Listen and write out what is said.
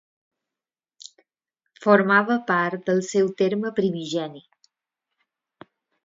Formava part del seu terme primigeni.